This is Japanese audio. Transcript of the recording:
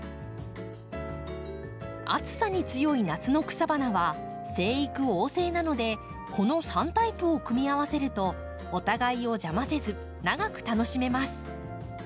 暑さに強い夏の草花は生育旺盛なのでこの３タイプを組み合わせるとお互いを邪魔せず長く楽しめます。